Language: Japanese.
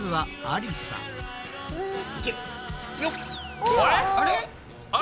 あれ？